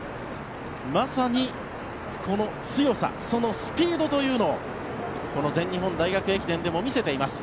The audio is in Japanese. まさにこの強さそのスピードというのをこの全日本大学駅伝でも見せています。